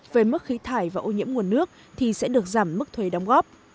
về mức khí thải và ô nhiễm nguồn nước thì sẽ được giảm mức thuế đóng góp